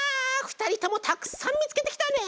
ふたりともたくさんみつけてきたね！